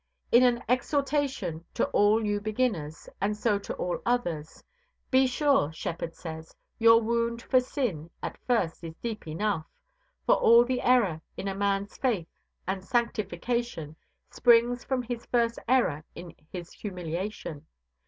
In an "exhortation to all new beginners, and so to all others," "Be sure," Shepard says, "your wound for sin at first is deep enough. For all the error in a man's faith and sanctification springs from his first error in his humiliation.